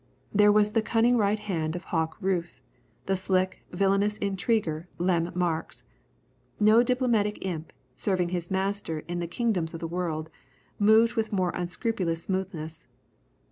There was the cunning right hand of Hawk Rufe, the slick, villainous intriguer, Lem Marks. No diplomatic imp, serving his master in the kingdoms of the world, moved with more unscrupulous smoothness.